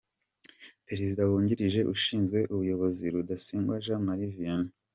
Perezida wungirije ushinzwe ubuyobozi: Rudasingwa Jean Marie Vianney.